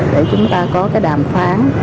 để chúng ta có đàm phán